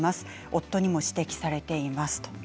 夫にも指摘されています。